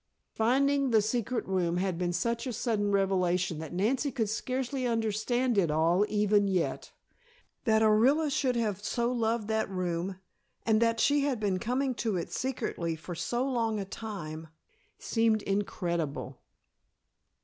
Finding the secret room had been such a sudden revelation that Nancy could scarcely understand it all even yet. That Orilla should have so loved that room, and that she had been coming to it secretly for so long a time, seemed incredible.